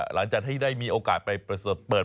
หลังจากที่ได้มีโอกาสไปประสบเปิด